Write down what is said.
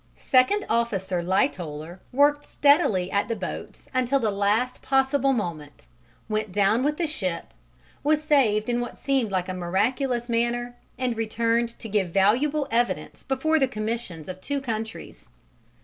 Second Officer Lightoller worked steadily at the boats until the last possible moment, went down with the ship, was saved in what seemed a miraculous manner, and returned to give valuable evidence before the commissions of two countries.